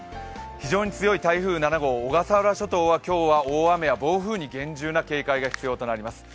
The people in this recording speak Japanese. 非常に強い台風７号小笠原諸島は今日、暴風に厳重な警戒が必要になります。